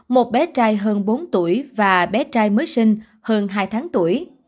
một bé trai hơn bốn tuổi và bé trai mới sinh hơn hai tháng tuổi